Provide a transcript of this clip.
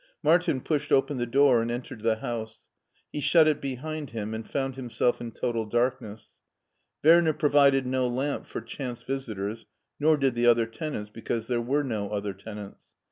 Martin pushed open the door and entered the house. He shut it behind him and found himself in total darkness. Werner provided no lamp for chance visitors, nor did the other tenants, because there were no other tenants.